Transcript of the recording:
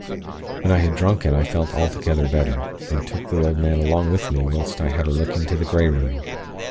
When I had drunk it I felt altogether better, and took the old man along with me whilst I had a look into the Grey Room.